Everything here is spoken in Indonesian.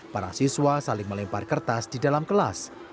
para siswa saling melempar kertas di dalam kelas